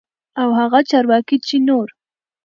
او هغه چارواکي چې نور